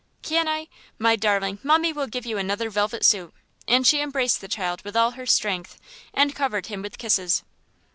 "Can I? My darling, mummie will give you another velvet suit," and she embraced the child with all her strength, and covered him with kisses.